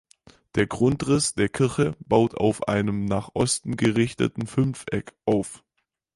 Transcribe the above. Der Grundriss der Kirche baut auf einem nach Osten gerichteten Fünfeck auf.